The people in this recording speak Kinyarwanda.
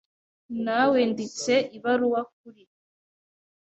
Nawenditse ibaruwa kuri .